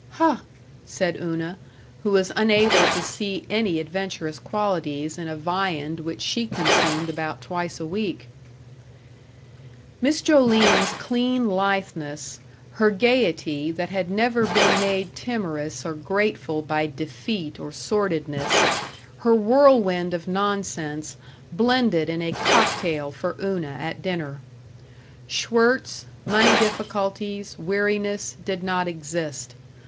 "Huh!" said Una, who was unable to see any adventurous qualities in a viand which she consumed about twice a week. Miss Joline's clean litheness, her gaiety that had never been made timorous or grateful by defeat or sordidness, her whirlwind of nonsense, blended in a cocktail for Una at dinner. Schwirtz, money difficulties, weariness, did not exist.